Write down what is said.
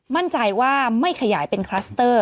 มั่นใจว่าไม่ขยายเป็นคลัสเตอร์